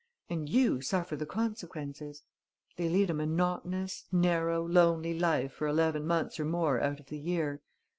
And you suffer the consequences. They lead a monotonous, narrow, lonely life for eleven months or more out of the year.